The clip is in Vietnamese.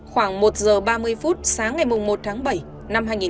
khoảng một h ba mươi phút sáng ngày một bảy hai nghìn hai mươi